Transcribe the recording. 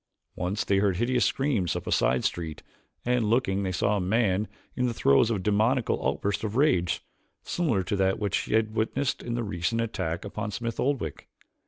Once they heard hideous screams up a side street, and looking they saw a man in the throes of a demoniacal outburst of rage, similar to that which they had witnessed in the recent attack upon Smith Oldwick.